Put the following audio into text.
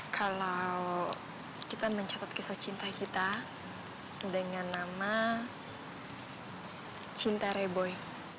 kalau kita mencatat kisah cinta kita dengan nama cinta reboy